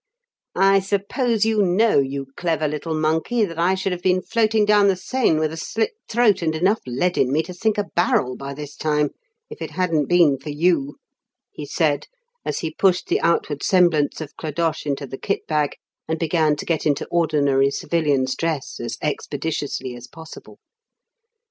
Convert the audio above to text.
"I suppose you know, you clever little monkey, that I should have been floating down the Seine with a slit throat and enough lead in me to sink a barrel by this time, if it hadn't been for you," he said, as he pushed the outward semblance of Clodoche into the kit bag, and began to get into ordinary civilian's dress as expeditiously as possible.